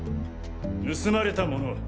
盗まれたものは？